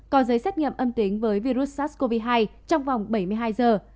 có giấy xét nghiệm âm tính với virus sars cov hai trong vòng bảy mươi hai giờ